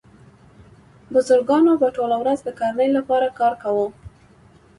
بزګرانو به ټوله ورځ د کرنې لپاره کار کاوه.